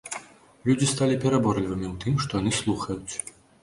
Людзі сталі пераборлівымі у тым, што яны слухаюць.